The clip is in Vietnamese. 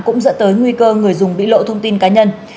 cũng dẫn tới nguy cơ người dùng bị lộ thông tin cá nhân